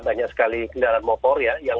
banyak sekali kendaraan motor ya yang